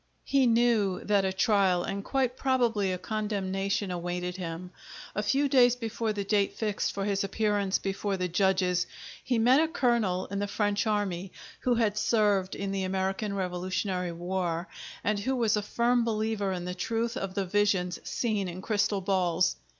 He knew that a trial and quite probably a condemnation awaited him. A few days before the date fixed for his appearance before his judges, he met a colonel in the French army, who had served in the American Revolutionary War, and who was a firm believer in the truth of the visions seen in crystal balls.